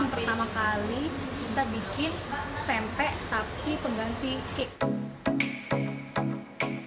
pertama kali kita bikin mpe mpe tapi pengganti cake